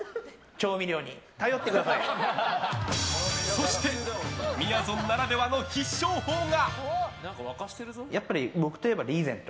そしてみやぞんならではの必勝法が。